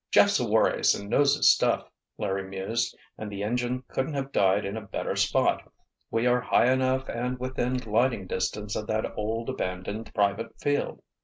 "Jeff's a war ace and knows his stuff," Larry mused, "and the engine couldn't have died in a better spot. We are high enough and within gliding distance of that old, abandoned private field."